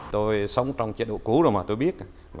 tôi sống trong chế độ cũ rồi mà tôi biết